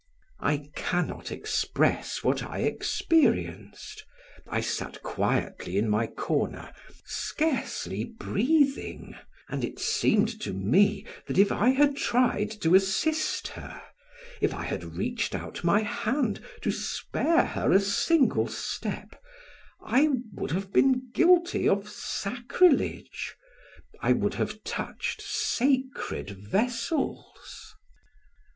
I can not express what I experienced; I sat quietly in my corner, scarcely breathing, and it seemed to me that if I had tried to assist her, if I had reached out my hand to spare her a single step, I would have been guilty of sacrilege, I would have touched sacred vessels.